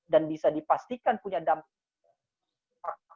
dan bisa dipastikan punya dampak